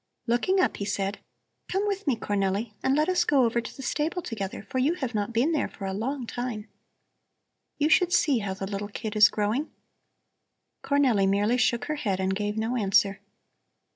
Looking up he said: "Come with me, Cornelli, and let us go over to the stable together, for you have not been there for a long time. You should see how the little kid is growing." Cornelli merely shook her head and gave no answer.